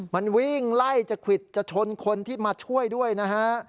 มันวิ่งไล่จะควิดจะชนคนที่มาช่วยด้วยนะฮะ